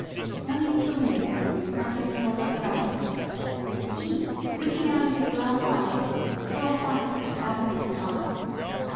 Running to the window, Madeline held up the Rabbit, and he, looking out of his glass eyes, saw a sight that gladdened his heart.